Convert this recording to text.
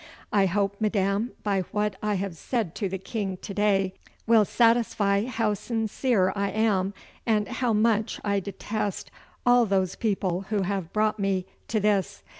I hope, madam, by what I have said to the King to day will satisfy how sincere I am, and how much I detest all those people who have brought me to this.